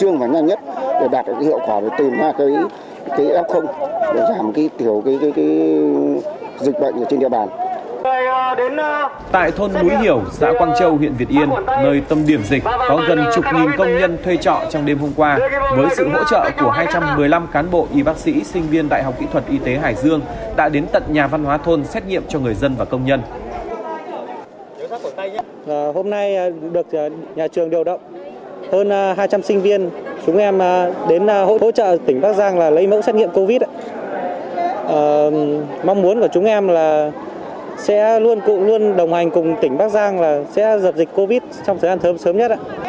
mong muốn của chúng em là sẽ luôn cùng đồng hành cùng tỉnh bắc giang sẽ dập dịch covid trong thời gian sớm nhất